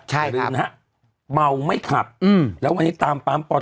ใช่ครับแบบเบาไม่ขับอืมแล้ววันนี้ตามป้ามปตท